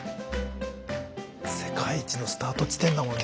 世界一のスタート地点だもんな。